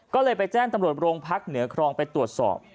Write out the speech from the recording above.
ก็เลยไปแจ้งตำรวจโรงพักเหนือครองไปตรวจสอบ